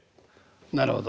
なるほど。